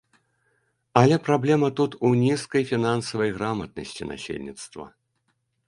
Але праблема тут у нізкай фінансавай граматнасці насельніцтва.